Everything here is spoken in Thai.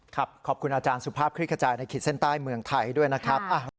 ขอบคุณอาจารย์สุภาพคลิกขจายในขีดเส้นใต้เมืองไทยด้วยนะครับ